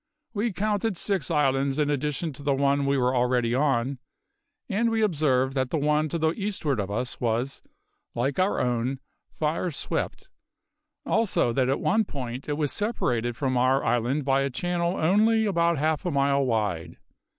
We counted six islands in addition to the one we were already on, and we observed that the one to the eastward of us was, like our own, fire swept; also that at one point it was separated from our island by a channel only about half a mile wide.